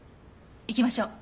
行きましょう！